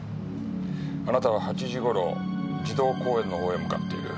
あなたは８時頃児童公園の方へ向かっている。